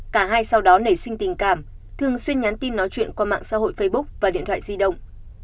cả hai sau đó nảy sinh tình cảm thường xuyên nhắn tin nói chuyện qua mạng xã hội facebook và điện thoại di động